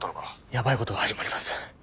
ヤバいことが始まります。